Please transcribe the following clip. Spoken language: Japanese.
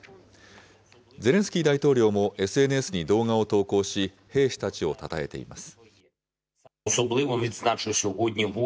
ゼレンスキー大統領もＳＮＳに動画を投稿し、兵士たちをたたえています。